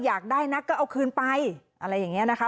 อยากได้นักก็เอาคืนไปอะไรอย่างนี้นะคะ